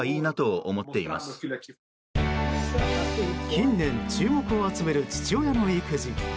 近年、注目を集める父親の育児。